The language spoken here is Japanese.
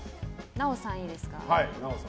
奈緒さん、いいですか。